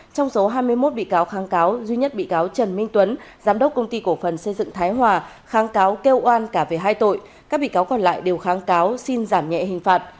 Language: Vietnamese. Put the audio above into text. trong số hai mươi một bị cáo kháng cáo duy nhất bị cáo trần minh tuấn giám đốc công ty cổ phần xây dựng thái hòa kháng cáo kêu oan cả về hai tội các bị cáo còn lại đều kháng cáo xin giảm nhẹ hình phạt